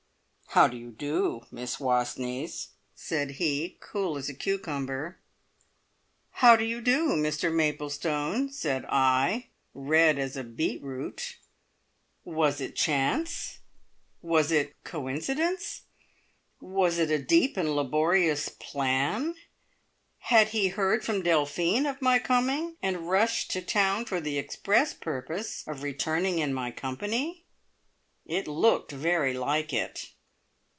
"How do you do, Miss Wastneys," said he, as cool as a cucumber. "How do you do, Mr Maplestone," said I, as red as a beetroot. Was it chance? Was it coincidence? Was it a deep and laborious plan? Had he heard from Delphine of my coming and rushed to town for the express purpose of returning in my company? It looked very like it.